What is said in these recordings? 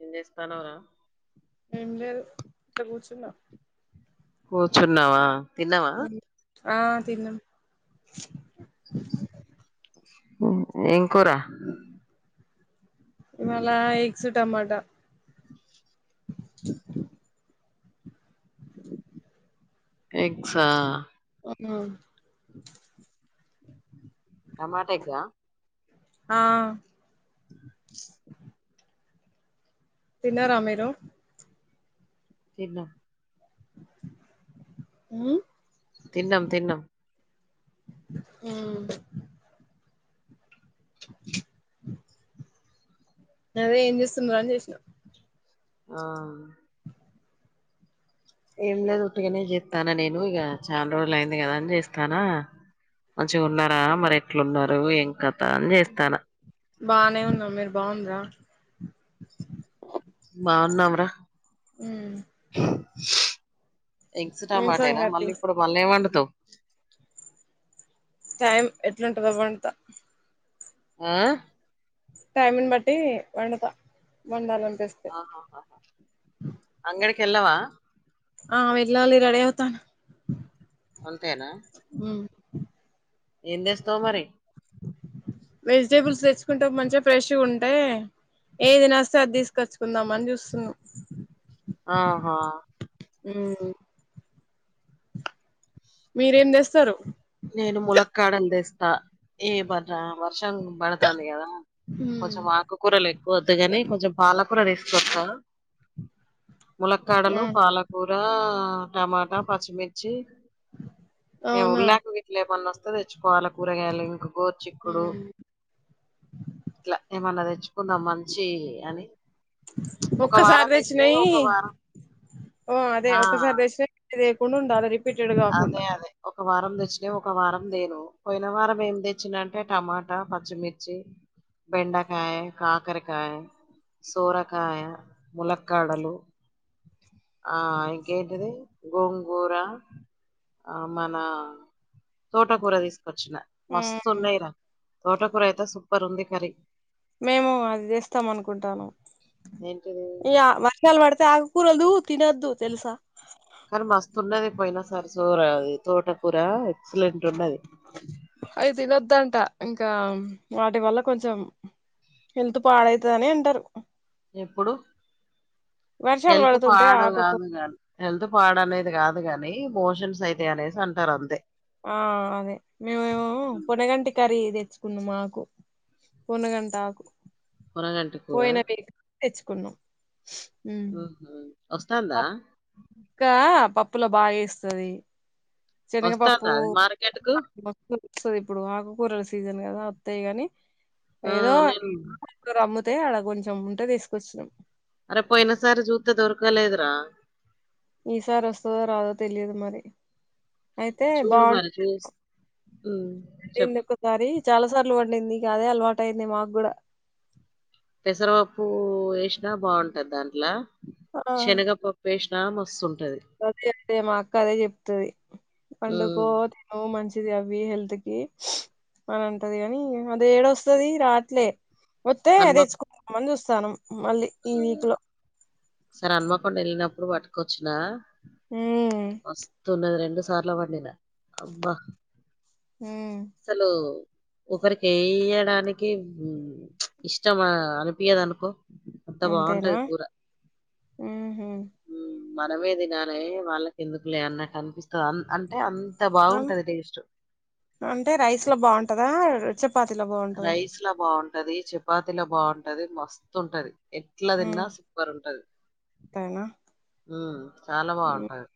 ఏం చేస్తన్నావ్ రా ఏం లేదు ఇట్లా కూర్చున్నా కూర్చున్నావా తిన్నవా ఆ తిన్నం ఏం కూర ఇవాళ ఎగ్స్ టమాటా స ఎగ్సా ఆహా టమాట ఎగ్గా ఆ ఆ తిన్నరా మీరు తిన్నాం హు తిన్నం తిన్నం హుమ్ అదే ఏం చేస్తున్నారు అని చేసినా ఆ ఏం లేదు ఉట్టిగనే చేస్తానా నేను ఇగ చానా రోజులు అయింది కదా అని చేస్తానా మంచిగా ఉన్నారా మరి ఎట్లున్నారు ఏం కత అని చేస్తానా బానే ఉన్నాం మీరు బాగుండ్రా బాగున్నాం రా మ్మ్ ఎగ్స్ ఏం టమాటా ఏ నా సంగతి మళ్ళీ ఇప్పుడు మళ్ళీ ఏం వండుతావ్ టైం ఎట్లుంటదొ వంట ఆ టైమ్ నీ బట్టి వండుతా వండాలనిపిస్తే అంగడి కెల్లవా ఆ వెళ్ళలి రెడీ అవుతా అంతేనా హు ఏం తెస్తావు మరి వెజిటేబుల్స్ తెచ్చుకుంటే మంచిగా ఫ్రెష్ గుంటే ఏది నచ్చితే అది తీసుకొచ్చుకుందాం అని చూస్తున్నా ఆహా హూ మీరేం చేస్తారు నేను ములక్కాడలు తెస్తా ఏ వర్షం పడతంది కదా ఉమ్ కొంచెం ఆకుకూరలు ఎక్కువద్దుగాని కొంచెం పాలక్ కూర తీసుకొస్త ములక్కాడలు ఆ పాలకూర టమాటా పచ్చిమిర్చి అవునా ఎవర్లేక వీటిలో ఏమన్నా త్త తెచ్చుకోవాలి కూరగాయలు ఇంక గోరుచిక్కుడు ఇట్లా మేమన్నా తెచ్చుకుందాం మంచి అని ఒక ఒక్కసారి వారం తెచ్చినయి తెచ్చినేయి ఒక వారం అదే ఆ ఒక్కసారి తెచ్చినేయి దే కొను ఉండాలరి అదే అదే ఒక వారం తెచ్చిన ఒక వారం దేను పోయిన వారం ఏమి తెచ్చిిన అంటే టమాటా పచ్చిమిర్చి బెండకాయ కాకరకాయ సోరకాయ ములక్కడలు ఆ ఇంకేంటది గోంగూరా ఆ మన తోటకూర తీసుకొచ్చిన మస్తు ఉమ్ ఉన్నాయి రా తోటకూరైతే సూపర్ ఉంది కరీ మేము అది చేస్తాం అనుకుంటాను ఏంటిది ఈ చినుకులు పడుతే ఆకురాలు తినొద్దు తెలుసా కానీ మస్తు ఉన్నది పోయినా సరీ అది తోట కూూర ఎక్సలెంట్ ఉన్నది అయి తినొద్దంట ఇంకా వాటి వల్ల కొంచెం హెల్తు పాడైతదని అంటారు ఎప్పుడు వర్షాలు హెల్త్ పడుతుంటే పాడు ఆకుకూ కాదు కానీ హెల్త్ పాడ అనేది కాదు కాని మోషన్స్ అయితే అనేసి అంటారు అంతే ఆ అదే మేమేమో ఉమ్. పునగంటి కర్రీ తెచ్చుకున్నాం మాకు పూణగంటకు మునగంటి కూర పోయిన వీక్ తెచ్చుకున్నాం ఉమ్ ఉహు వస్తుందా ఇంకా పప్పులో బాగా వేస్తది శనగపప్పు వస్తాందా అది మార్కెట్ కు సో ఇప్పుడు ఆకుకూరల సీజన్ కదా అంతే కాని ఆ! ఏదో నేను కూరా అమ్ముతే అడ కొంచెం ఉంటే తీసుకొచ్చినం అరే పోయిన సారీ జూతే దొర్కాలదురా ఈసారి వస్తుందో రాదో తెలియదు మరి అయితే బాగుంట ఉమ్ పడింది ఒకసారి చాలా సార్లు పడింది అదే అలవాటు అయింది మాకు కూడా పెసరపప్పు వేసినా బాగుంటది దాంట్ల శనగపప్పు వేసినా మస్తుంటది ఒక అండి మా అక్క అదే చెప్తది వండుకో హ్మ్. అవు మంచిది అవి హెల్త్ కి అని అంటది కాని అది ఏడు వస్తది రాట్లే వస్తే తెచ్చుకుందమని చూస్తానం మళ్ళీ ఈ వీక్ లో ఒకసరీ అన్మకొండ వెళ్ళినప్పుడు పటుకొచ్చినా ఉ మస్తున్నది రెండు సార్లు వండినా అబ్బా ఉమ్ అసలు ఒకరికి ఏయడానికి ఇష్టం అనిపియదనుకో అంత అంతేనా బాగుంటది కూర ఉహు ఊ మనమే తినాలె వాళ్ళకి ఎందుకులే అన్నట్ అనిపిస్తది అ అంటే అన్ త అన్ బావుంటది టేస్ట్ అంటే రైస్ లో బావుంటదా చపాతి లో బావుంటదా ఇట్లా బావుంటది చపాతీ లో బావుంటది మస్తుంటది ఎట్లా ఉమ్ తిన్నా సూపర్ ఉంటది అంతేనా ఊ చాలా ఉమ్ బావుంటది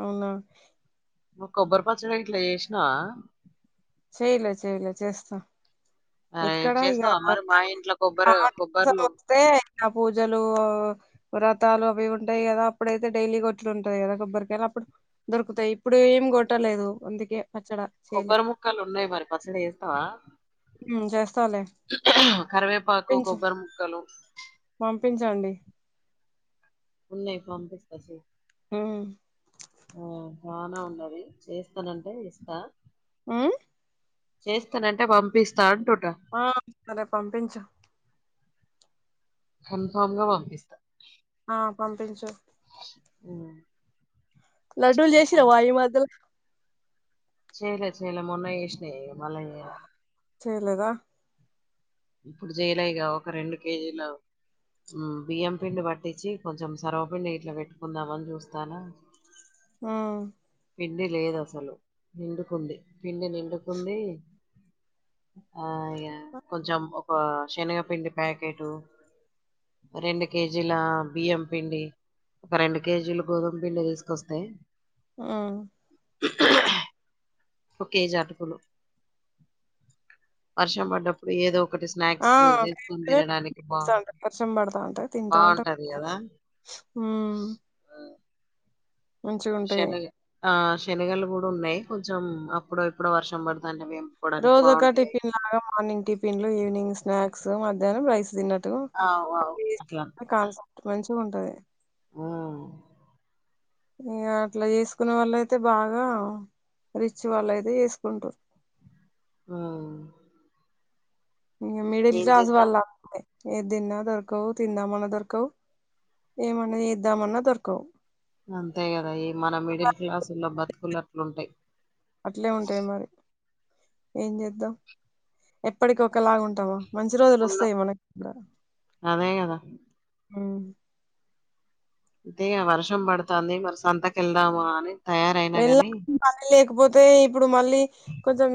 అవునా నువ్ కొబ్బరి పచ్చడి గిట్లా జేసినావా చెయలే చేయలే చేస్తా అరే! ఎక్కడ ఇగ చేస్తావా మరి? మా ఇంట్లో కొబ్బరి నవరాత్రులు కొబ్బర్లు వస్తే ఇగ పూజలు వ్రాతాలు అవి ఉంటాయి గదా అప్పుడైతే డైలీ కొట్లు ఉంటది గదా కొబ్బరికాయలు అప్పుడు దొరుకుతాయి ఇప్పుడు ఏం గొట్టలేదు అందుకే పచ్చడా కొబ్బరి ముక్కలు ఉన్నాయి మరి పచ్చడి జేత్తావా ఊ చేస్తాలే కరివేపాకు పంపించు కొబ్బరి ముక్కలు పంపించండి ఉన్నాయ్ పంపిస్తా సెయ్ ఆహా ఆ వాన ఉన్నది చేస్తానంటే ఇస్తా ఊ చేస్తానంటే పంపిస్తా అంటున్నా ఆ సరే పంపించు కన్ఫామ్ గా పంపిస్తా ఆ పంపించు ఊ లడ్డూలు జేసినవా ఈ మధ్యల చేయలే చేయలే మొన్న జేసినవే ఇయి మల్ల చేయాలె చేయలేదా ఇప్పుడు చేయలే ఇగ ఒక రెండు కేజీలు ఊ బియ్యం పిండి పట్టించి కొంచెం సరవపిండి ఇట్లా పెట్టుకుందామని చూస్తానా ఊ పిండి లేదు అసలు నిండుకుంది పిండి నిండుకుంది ఆ ఇగ కొంచెం ఒక శనగపిండి ప్యాకెటు రెండు కేజీల బియ్యం పిండి ఒక రెండు కేజీల గోధుమ పిండి తీసుకొస్తే ఊ ఒక కేజీ ఆటుకులు వర్షం పడ్డప్పుడు ఏదో ఒ ఒకటి ఆ స్నాక్స్ జేసుకొని చేస్తేనే తినడానికి తినిపిస్తా బాగ్ ఉంటా, వర్షం బావుంటది కదా ఊ శనగ ఆ శనగలు గూడా ఉన్నాయి కొంచెం అప్పుడో ఇప్పుడో వర్షం పడతాంటే వేంపుకోవడానికి రోజు ఒక బావుంటాయి. టిఫిన్ లాగా మార్నింగ్ టిఫిన్ లు ఈవినింగ్ స్నాక్స్ మధ్యాహ్నం రైస్ తిన్నట్ అవు అవు అట్లా మంచిగుంటది ఊ ఇగ అట్లా జేసుకునే వాళ్ళయితే బాగా రిచ్ వాళ్ళయితే జేసుకుంటారు ఉమ్ మిడిల్ ఏం క్లాస్ చేద్దాం? వాళ్ల ఏదిన్నా దరకవు తిందామన్నా దరకవు ఏమన్న ఏద్దామన్నా దరకవు అంతే కదా ఈ మన మిడిల్ క్లాసు లో బతుకులు అట్లుంటాయి అట్లే ఉంటాయి మరి ఏం చేద్దాం ఎప్పటికి ఒకలాగ ఉంటామా మంచి రోజులు ఉండవు. వస్తాయి మనకి కూడా అదే గదా! ఉమ్ అంతే వర్షం పడుతుంది మరి సంతక వెళ్దాము అని తయారైనా వెళ్ళా గాని మళ లేకపోతే ఇప్పుడు మళ్ళీ కొంచెం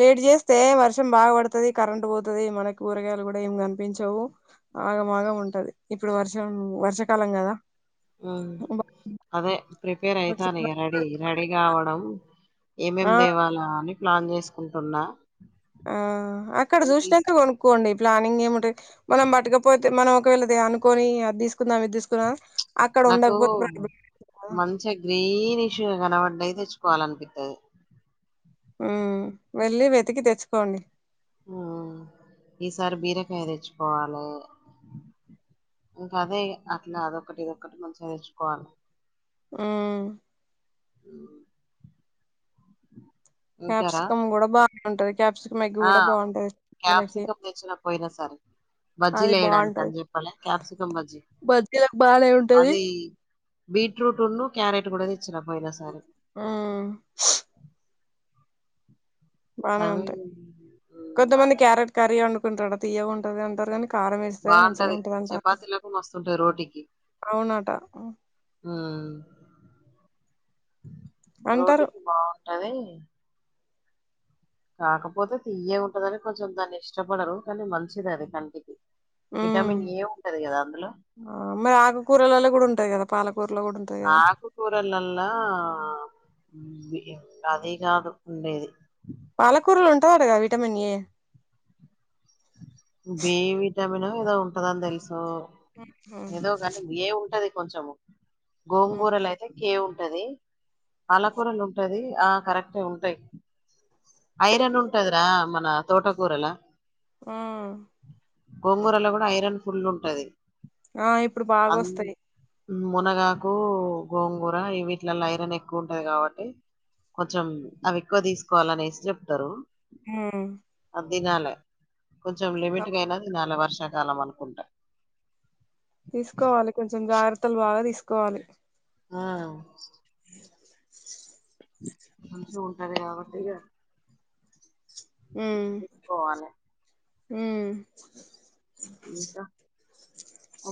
లేట్ చేస్తే వర్షం బాగా పడుతుది కరెంట్ పోతుంది మనకి కూరగాయలు కూడా ఏమి కనిపించవు ఆగమాగం ఉంటది ఇప్పుడు వర్షం వర్షాకాలం కదా ఉమ్ అదే ప్రిపేర్ అయితాను ఇక రెడీ రెడీ కావడం ఆ ఏమేం దేవాలా అని ప్లాన్ చేసుకుంటున్నా ఆ అక్కడ అవి తీస్ చూసినకతే కొనుక్కోండి ప్లానింగ్ ఏముంటాది మనం పట్కపోతే మనం ఒకవేళ అనుకొని అది తీసుకుందాం ఇది తీసుకున్నా నాకు మంచిగా గ్రీన్ ఇష్యూ కనబడడియి తెచ్చుకోవాలనిపించది ఉమ్ వెళ్ళి వెతికి తెచ్చుకోండి ఉమ్ ఈసారి బీరకాయ తెచ్చుకోవాలి ఇంకా అదే అట్లా అదొకటి ఇదొకటి మంచిగా తెర్చుకోవాలి ఉమ్ అ క్యాప్సికం కూడా బానే ఉంటది క్యాప్సిక ఆ క్యాప్సికమ్ తెచ్చిన పోయినా సరే అది బజ్జీలు వేయడానికి బాగుంటది అని చెప్పాలె క్యాప్సికం బజ్జీ బజ్జీలకు బానే ఉంటది అది బీట్రూట్ నూ క్యారెట్ కూడా తెచ్చినా పోయిన సారి ఉమ్ బానే అవి ఉంటాయి కొంతమంది క్యారెట్ కర్రీ వండుకుంటారు తీయగా ఉంటది అంటారు కానీ కారం వేస్తే మంచిగా ఉంటుదంటా మస్తుంటాయి రోటీకి అవునాటా ఉమ్ అంటారు రోటికి బాగుంటది కాకపోతే తియే ఉంటదని కొంచెం దాన్ని ఇష్టపడరు కానీ మంచిది అది కంటికి ఉమ్ విటమిన్ ఏ ఉంటది కదా అందులో ఆ మరీ ఆగకూరలో కూడాంటాయి కదా పాలకూరులో కూడా ఉంటాయి ఆకుకూరలలా అది కాదు ఉండేది పాలకూరలు ఉంటా యండగా విటమిన్ ఏ బి విటమినొ ఏదో ఉంటదని తెలుసు ఉమ్, ఏదో కాని ఏ ఉంటది కొంచెము ఉమ్, గోంగూరలు అయితే కే ఉంటది పాలకూరలు ఉంటది ఆ కరెక్టే ఉంటు తయ్ ఐరన్ ఉంటదిరా మన తోటకూరలా ఉమ్ గోంగూరలో కూడా ఐరన్ ఫుల్లు ఉంటది ఆ ఇప్పుడు బాగా అన్ వస్తాయి మునగాకు గోంగూర వీటిలలో ఐరన్ ఎక్కువ ఉంటది కాబట్టి కొంచెం అవి ఎక్కువ తీసుకోవాలనేసి చెప్తారు హుమ్ అదినాలే కొంచెం లిమిట్గా అవును. అయినా దినాలే వర్షాకాలం అనుకుంటా తీసుకోవాలి కొంచెం జాగ్రత్తలు బాగా తీసుకోవాలి ఆ మంచి ఉంటాది కాబట్టి ఇంకా ఊమ్ పోవాలె మ్ ఇంకా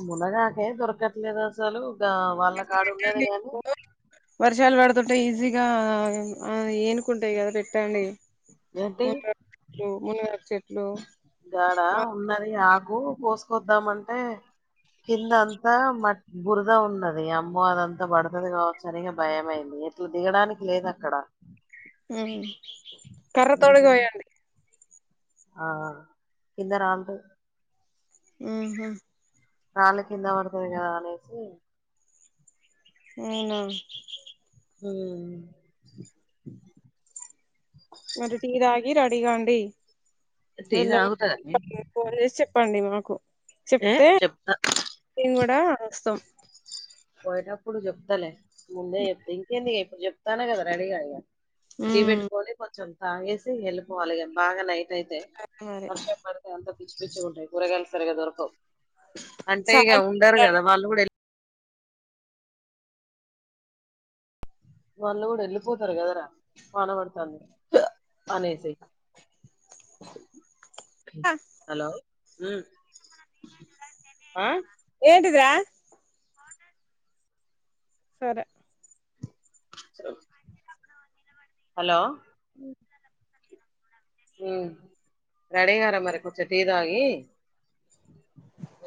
మునగాకే దొరకట్లేదు అసలుగ వాళ్ కాడ ఉన్నది పెట్టండి గాని వర్షాలు పడుతుంటే ఈజీగా ఏనుకుంటాయి కదా పెట్టండి ఏంటి మునగాకు చెట్లు మునగాకు చెట్లు గాడా ఉన్నది ఆకు కొసుకొద్దామంటే కిందంత మట్ బురద ఉన్నది అమ్మో అదంతా పడుతుది కావచ్చు అనిగా భయ అయింది ఎట్లా దిగడానికి లేదు అక్కడ మ్ కర్ర తోడు అందుకని కోయండి ఆ కింద రాలతయ్ మ్ హు మ్ రాళ్ళ కింద పడుతది కదా అనేసి నేనా మ్ మీరు టీ తాగి రడీ కాండి టీ వెెళ్ళ తాగుతదా నే [unintelligible] పోన్ చేసి చెప్పండి మాకు ఏ చెప్తే చెప్తా మేము కూడా వస్తాం పోయెటప్పుడు చెప్తలే ముందే చెప్తే ఇంకేందుకె ఇక ఇప్పుడు చెప్తాను కదా రెడీగా ఇక టీ ఉమ్ పెట్టుకొని కొంచెం తాగేసి ఎళ్ళిపోవాలి ఇగ బాగానేై అయితే సరే మరి వర్షం పడితే అంత పిచ్చి పిచ్చి గ ఉంటాయి కూరగాయలు సరిగా దొరకవు అంటే ఇగ సరే ఉండరు మరి కదా వాళ్ళు కూడా ఎల్ వాళ్ళు కూడా ఎళ్ళిపోతారు కదా రా వాన పడతాంది అనేసి హలో ఉమ్ ఆ ఏంటిదిరా సరె హలో ఉమ్ మ్ రడీ గారా మరి కొంచెం టీ తాగి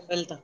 వెళ్తా